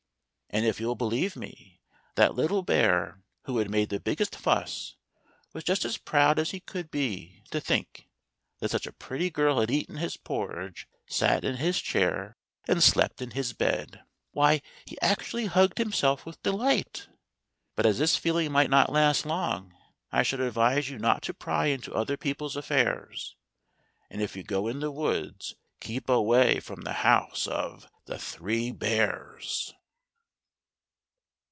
And if you'll believe me, that little bear, who had made the biggest fuss, was just as proud as he could be to think that such a pretty girl had eaten his porridge — sat in his chair — and slept in his bed ! Why, he actually hugged himself with delight! But as this feeling might not last long, I should advise you not to pry into other people's affairs; and if you go in the woods keep away from the house of THE THREE BEARS.